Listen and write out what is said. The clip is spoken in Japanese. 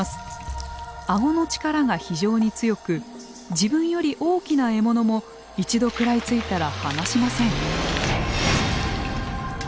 顎の力が非常に強く自分より大きな獲物も一度食らいついたら離しません。